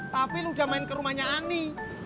tapi lo udah main kerumahnya ani